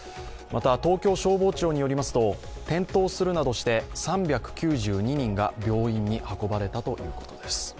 また東京消防庁によりますと転倒するなどして３９２人が病院に運ばれたということです。